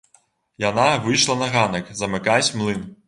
Яна выйшла на ганак замыкаць млын.